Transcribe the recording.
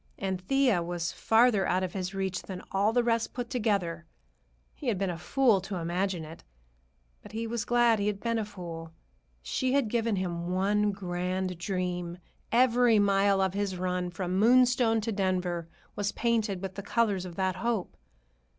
And Thea was farther out of his reach than all the rest put together. He had been a fool to imagine it, but he was glad he had been a fool. She had given him one grand dream. Every mile of his run, from Moonstone to Denver, was painted with the colors of that hope.